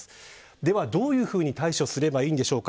では、どういうふうに対処すればいいんでしょうか。